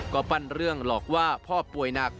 ก็ปั้นเรื่องหลอกว่าพ่อป่วยหนัก